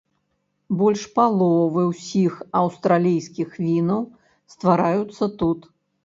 Больш паловы ўсіх аўстралійскіх вінаў ствараюцца тут.